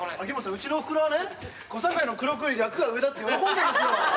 うちのおふくろはね小堺の黒子より役が上だって喜んでるんですよ。